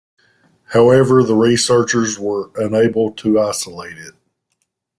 However, the researchers were unable to isolate it.